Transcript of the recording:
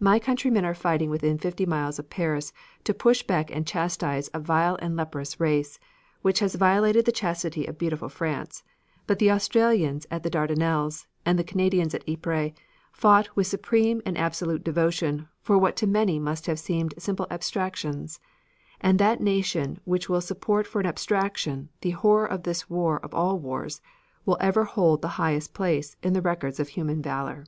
My countrymen are fighting within fifty miles of Paris, to push back and chastise a vile and leprous race, which has violated the chastity of beautiful France, but the Australians at the Dardanelles and the Canadians at Ypres, fought with supreme and absolute devotion for what to many must have seemed simple abstractions, and that nation which will support for an abstraction the horror of this war of all wars will ever hold the highest place in the records of human valor."